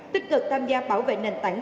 tích cực tham gia bảo vệ nền tảng